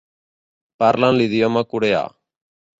Parlen l'idioma coreà.